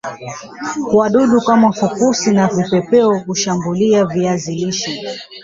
wadudu kama fukusi na vipepeo hushambulia viazi lishe